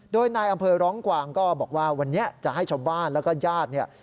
โดยนายอำเภอร้องกวางก็บอกว่าวันนี้จะให้ชาวบ้านแล้วก็ญาติเนี่ย